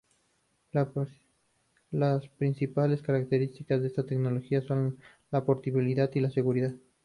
Las principales características de esta tecnología son la portabilidad y la seguridad.